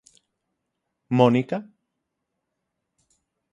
Mónica?